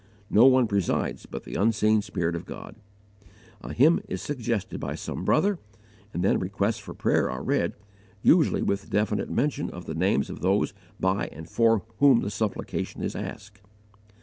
No one presides but the unseen Spirit of God. A hymn is suggested by some brother, and then requests for prayer are read, usually with definite mention of the names of those by and for whom supplication is asked.